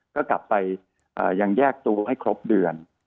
ก็กลับไปยังแยกตัวให้ครบเดือน